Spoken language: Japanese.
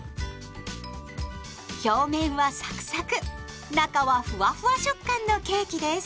表面はサクサク中はふわふわ食感のケーキです。